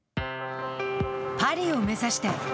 パリを目指して。